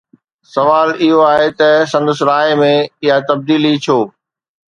سوال اهو آهي ته سندس راءِ ۾ اها تبديلي ڇو؟